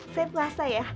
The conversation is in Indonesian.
saya puasa ya